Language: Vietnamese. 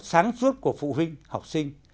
sáng suốt của phụ huynh học sinh